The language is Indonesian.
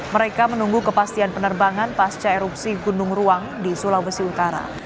mereka menunggu kepastian penerbangan pasca erupsi gunung ruang di sulawesi utara